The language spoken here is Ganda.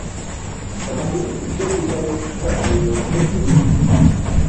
Omanyi nti ssenyiga n'ekifuba byeyongedde?